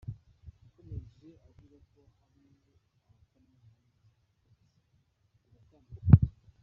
Yakomeje avuga ko hari abatamwumva neza, ati biratandukanye cyane.